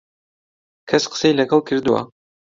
کەس قسەی لەگەڵ کردووە؟